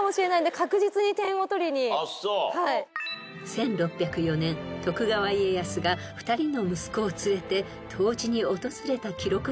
［１６０４年徳川家康が２人の息子を連れて湯治に訪れた記録が残る］